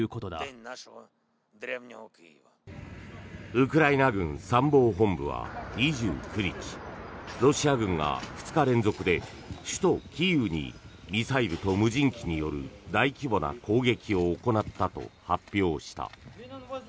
ウクライナ軍参謀本部は２９日ロシア軍が２日連続で首都キーウにミサイルと無人機による大規模な攻撃を行ったと発表した。